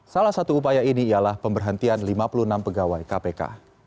salah satu upaya ini ialah pemberhentian lima puluh enam pegawai kpk